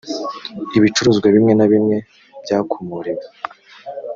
ibicuruzwa bimwe na bimwe byakomorewe